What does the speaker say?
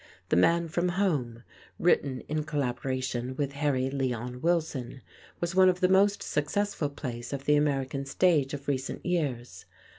"The Man From Home," written in collaboration with Harry Leon Wilson, was one of the most successful plays of the American stage of recent years.